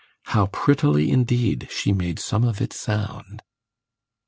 How prettily, indeed, she made some of it sound!